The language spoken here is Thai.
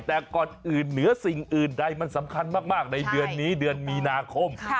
แต่ก่อนอื่นเหนือสิ่งอื่นใดมันสำคัญมากในเดือนนี้เดือนมีนาคม